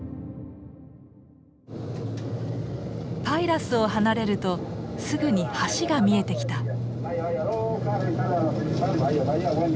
パイラスを離れるとすぐに橋が見えてきた。